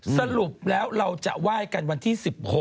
สรุปแล้วเราจะไหว้กันวันที่๑๖